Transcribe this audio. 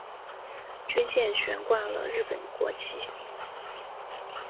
军舰悬挂了日本国旗。